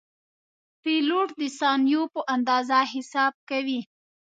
پیلوټ د ثانیو په اندازه حساب کوي.